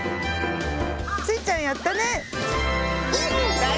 スイちゃんやったね！